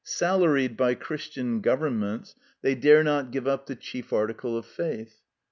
Salaried by Christian governments, they dare not give up the chief article of faith.